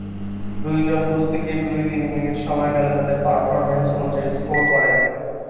দুইজন কুস্তিগির দুই-তিন মিনিট সময়কালে তাদের পারফরমেন্স অনুযায়ী স্কোর করেন।